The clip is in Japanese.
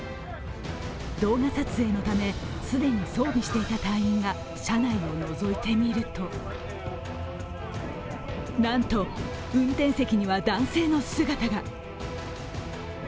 動画撮影のため、既に装備していた隊員が車内をのぞいてみると、なんと、運転席には男性の姿が。